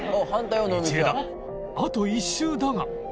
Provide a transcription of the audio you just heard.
道枝あと１周だが